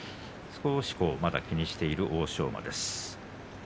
少し気にしている欧勝馬です。